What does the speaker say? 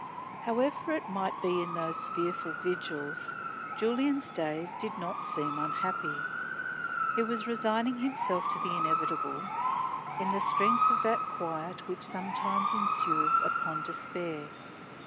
However it might be in those fearful vigils, Julian's days did not seem unhappy. He was resigning himself to the inevitable, in the strength of that quiet which sometimes ensues upon despair.